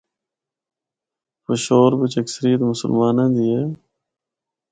پشور بچ اکثریت مسلماںاں دی ہے۔